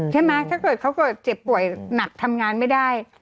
ใช่ไหมถ้าเกิดเขาก็เจ็บป่วยหนักทำงานไม่ได้